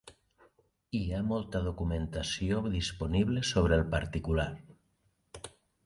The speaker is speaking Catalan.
Hi ha molta documentació disponible sobre el particular.